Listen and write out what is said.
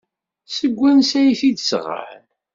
Seg wansi ay t-id-sɣan?